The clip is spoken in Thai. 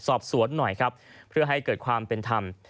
สอบสวนหน่อยครับเพื่อให้เกิดความเป็นธรรม